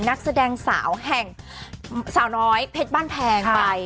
นักแสดงสาวแห่งสาวน้อยเพชรบ้านแพงไป